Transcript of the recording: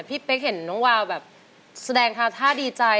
เป๊กเห็นน้องวาวแบบแสดงทาท่าดีใจ